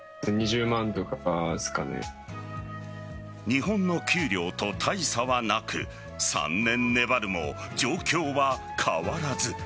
日本の給料と大差はなく３年粘るも状況は変わらず。